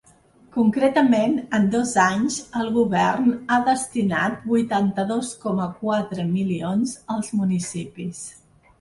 Concretament, en dos anys el govern ha destinat vuitanta-dos coma quatre milions als municipis.